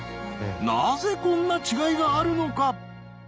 なぜこんな違いがあるのか？